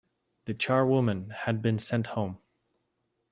The charwoman had been sent home.